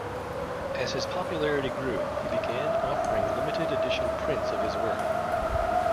As his popularity grew he began offering limited edition prints of his work.